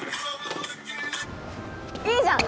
いいじゃん。